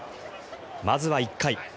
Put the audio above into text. まずは１回。